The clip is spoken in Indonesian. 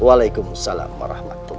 waalaikumsalam warahmatullah wabarakatuh